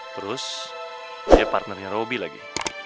terus dia partnernya robby lagi